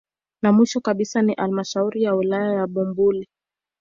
Na mwisho kabisa ni halmashauri ya wilaya ya Bumbuli